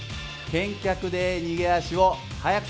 健脚で逃げ足を速くする。